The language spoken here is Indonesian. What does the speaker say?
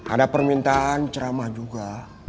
ada permintaan ceramah juga